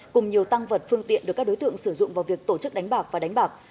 cùng nhiều tăng vật phương tiện được các đối tượng sử dụng vào việc tổ chức đánh bạc và đánh bạc